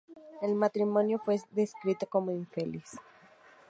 El matrimonio fue descrito como infeliz.